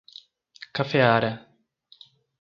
Cafeara